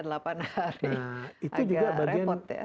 delapan hari agak repot ya